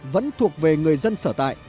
vẫn thuộc về người dân sở tại